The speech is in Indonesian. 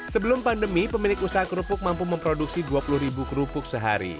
sebelum pandemi pemilik usaha kerupuk mampu memproduksi dua puluh ribu kerupuk sehari